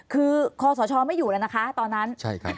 คือคอสชไม่อยู่แล้วนะคะตอนนั้น